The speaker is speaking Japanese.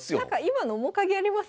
今の面影ありますよね